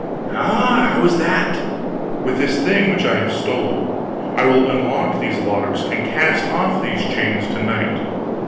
"Ah! How is that?" "With this thing which I have stolen, I will unlock these locks and cast off these chains to night.